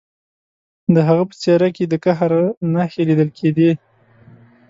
د هغه په څیره کې د قهر نښې لیدل کیدې